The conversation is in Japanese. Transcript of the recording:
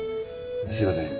すいません。